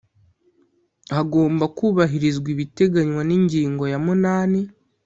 Hagomba kubahirizwa ibiteganywa n’ingingo ya munani